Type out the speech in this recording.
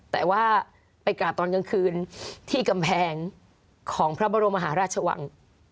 แต่ว่าไปกราบตอนกลางคืนที่กำแพงของพระบรมหาราชวัง